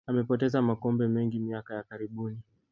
amepoteza makombe mengi miaka ya karibuni